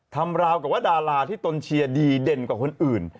ราวกับว่าดาราที่ตนเชียร์ดีเด่นกว่าคนอื่น